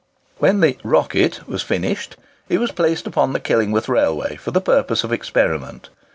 When the "Rocket" was finished, it was placed upon the Killingworth railway for the purpose of experiment.